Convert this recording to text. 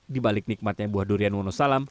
dibalik nikmatnya buah durian wonosalam